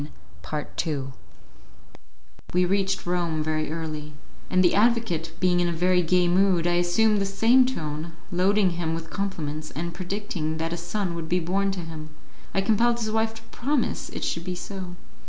We had taken breakfast at the Tour, and the advocate being in a very gay mood I assumed the same tone, loading him with compliments, and predicting that a son would be born to him, I compelled his wife to promise it should be so.